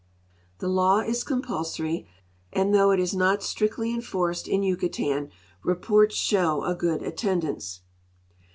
The law is compulsorj', and though it is not strictly •enforced in Yucatan, reports show a good attendance.